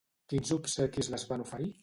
Quins obsequis les van oferir?